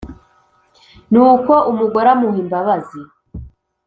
Ni uko umugore amuha imbabazi